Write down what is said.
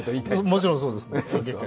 もちろんそうです。